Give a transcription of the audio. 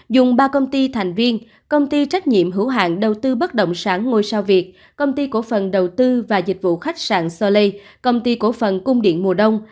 dùng ba công ty thành viên công ty trách nhiệm hữu hạng đầu tư bất động sản ngôi sao việt công ty cổ phần đầu tư và dịch vụ khách sạn solei công ty cổ phần cung điện mùa đông